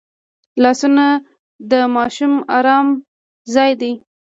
لاسونه د ماشوم ارام ځای دی